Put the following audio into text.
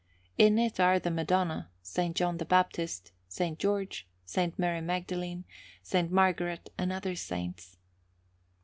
In it are the Madonna, S. John the Baptist, S. George, S. Mary Magdalene, S. Margaret, and other saints.